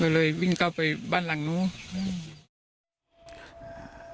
ก็เลยวิ่งเข้าไปบ้านหลังนู้นอืม